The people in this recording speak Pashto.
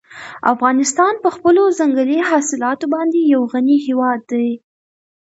افغانستان په خپلو ځنګلي حاصلاتو باندې یو غني هېواد دی.